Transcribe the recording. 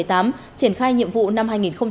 triển khai nhiệm vụ năm hai nghìn một mươi chín